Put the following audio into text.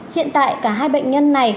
hiện tại cả hai bệnh nhân này